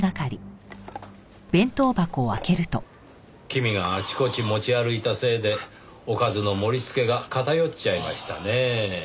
君があちこち持ち歩いたせいでおかずの盛りつけが片寄っちゃいましたねぇ。